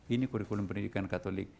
ini kurikulum pendidikan katolik